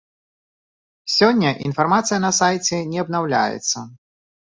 Сёння інфармацыя на сайце не абнаўляецца.